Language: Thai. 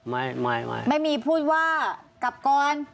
ไม่ไม่ไม่มีพูดว่ากลับก่อน